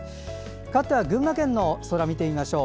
かわっては群馬県の空を見てみましょう。